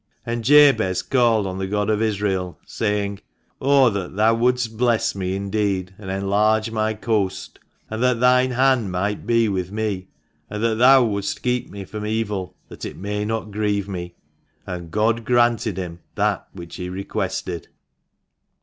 And Jabez called on the God of Israel, saying, O that Thou wouldst bless me indeed, and enlarge my coast, and that Thine hand might be with me, and that Thou wouldst keep me from evil, that it may not grieve me 1 And God granted him that which he requested.